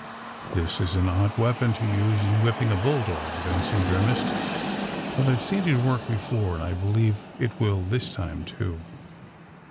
This is an odd weapon to use in whipping a bull dog,'^ Benson grimaced, ^Mout I've seen it work before and I believe it will this time, too."